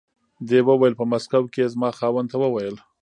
دې وویل په مسکو کې یې زما خاوند ته و ویل.